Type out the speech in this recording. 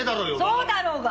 そうだろうが！